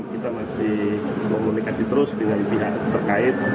kita masih komunikasi terus dengan pihak terkait